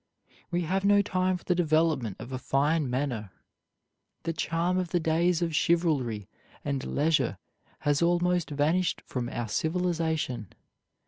We have no time for the development of a fine manner; the charm of the days of chivalry and leisure has almost vanished from our civilization.